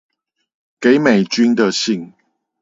給美君的信